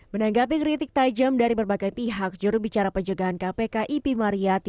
menanggapi kritik tajam dari berbagai pihak jurubicara pencegahan kpk ipi mariyati